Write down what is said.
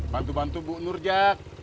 bantu bantu bu nur jak